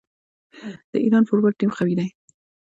د ایران فوټبال ټیم قوي دی.